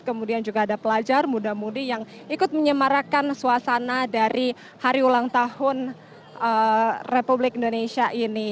kemudian juga ada pelajar muda mudi yang ikut menyemarakan suasana dari hari ulang tahun republik indonesia ini